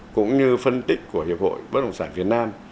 cũng như phân tích của hiệp hội bất đồng sản việt nam